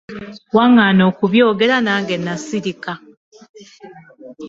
Waŋŋaana okubyogera nange nasirika.